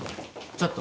ちょっと。